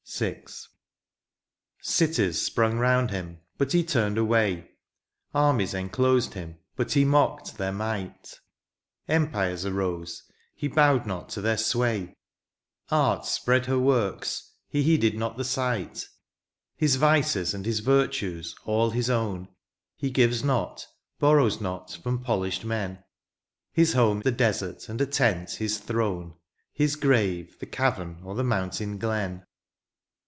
118 THE PAST. VI. sprung nxmd him, bat he turned away, Aimies enclosed him, but he nux^ed their might, Elmpires arose, he bowed not to their sway, Alt spread her woiks, he heeded not the sight : His Tices and his Tirtues all his 0¥m, He gives not, boirows not from polished men ; His home the desert, and a tent his throne. His grave, the cavern or the mountain glen